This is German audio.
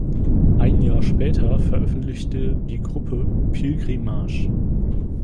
Ein Jahr später veröffentlichte die Gruppe „Pilgrimage“.